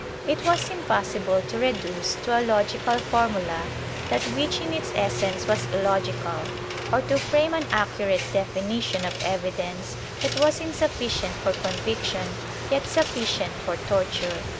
^ It was impossible to reduce to a logical formula that which in its essence was illogical, or to frame an accurate definition of evidence that was insufficient for conviction yet sufficient for torture.